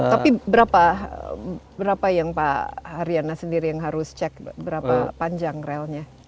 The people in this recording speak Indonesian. tapi berapa yang pak haryana sendiri yang harus cek berapa panjang relnya